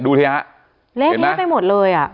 ดูที่นั้นฮะเหละให้ไปหมดเลยอ่ะ